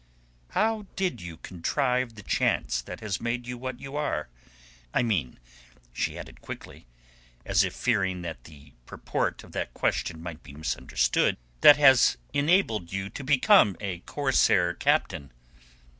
"How did you contrive the chance that has made you what you are? I mean," she added quickly, as if fearing that the purport of that question might be misunderstood, "that has enabled you to become a corsair captain."